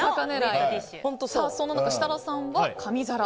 そんな中、設楽さんは紙皿。